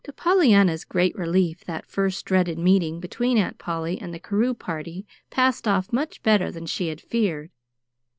To Pollyanna's great relief that first dreaded meeting between Aunt Polly and the Carew party passed off much better than she had feared.